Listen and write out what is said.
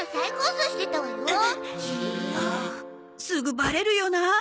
すぐバレるよな。